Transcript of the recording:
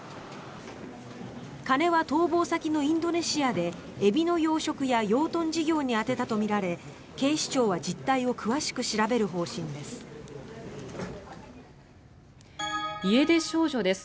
金は逃亡先のインドネシアでエビの養殖や養豚事業に充てたとみられ警視庁は実態を詳しく調べる方針です。